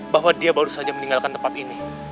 bahwa dia baru saja meninggalkan tempat ini